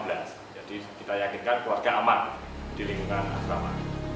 jadi kita yakinkan keluarga aman di lingkungan asrama